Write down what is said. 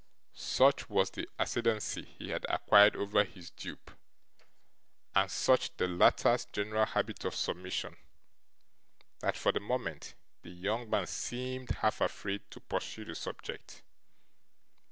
Such was the ascendancy he had acquired over his dupe, and such the latter's general habit of submission, that, for the moment, the young man seemed half afraid to pursue the subject.